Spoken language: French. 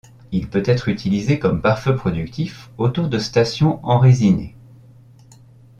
Il peut être utilisé comme pare-feu productif autour de stations enrésinées.